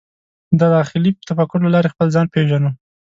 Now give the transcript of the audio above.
د داخلي تفکر له لارې خپل ځان پېژنو.